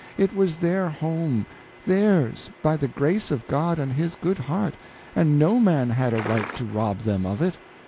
It was their home—theirs, by the grace of God and His good heart, and no man had a right to rob them of it.